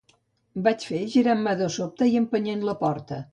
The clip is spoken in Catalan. —vaig fer, girant-me de sobte i empenyent la porta.